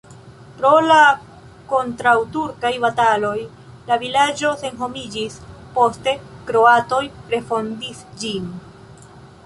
Pro la kontraŭturkaj bataloj la vilaĝo senhomiĝis, poste kroatoj refondis ĝin.